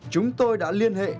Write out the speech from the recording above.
chúng tôi đã liên hệ